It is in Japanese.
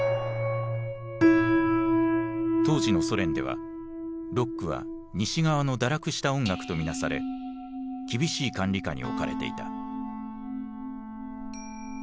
当時のソ連ではロックは西側の堕落した音楽と見なされ厳しい管理下に置かれていた。